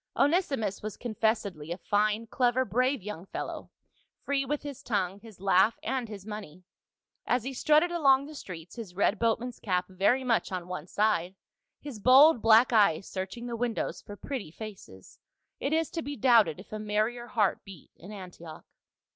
■ A BOATMAN OF ANTIOCH. 237 Onesimus was confessedly a fine, clever, brave young fellow, free with his tongue, his laugh and his money ; as he strutted along the streets, his red boat man's cap very much on one side, his bold black eyes searching the windows for pretty faces, it is to be doubted if a merrier heart beat in Antioch.